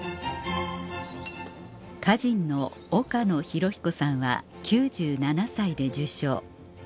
歌人の岡野弘彦さんは９７歳で受賞